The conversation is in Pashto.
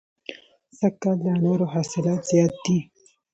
سږ کال د انارو حاصلات زیات دي.